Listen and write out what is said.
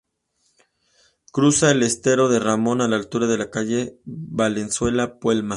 Cruza el estero de Ramón a la altura de la calle Valenzuela Puelma.